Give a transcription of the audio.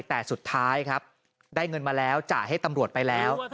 แต่สุดท้ายครับได้เงินมาแล้วจ่ายให้ตำรวจไปแล้ว